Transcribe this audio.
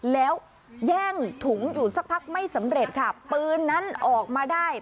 แล้วแย่งถุงอยู่สักพักไม่สำเร็จค่ะปืนนั้นออกมาได้